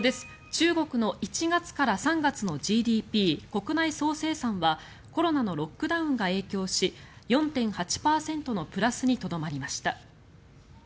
中国の１月から３月のＧＤＰ・国内総生産はコロナのロックダウンが影響し４．８％のプラスにとどまりました。